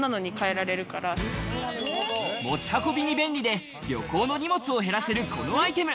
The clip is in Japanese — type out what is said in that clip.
持ち運びに便利で、旅行の荷物を減らせるこのアイテム。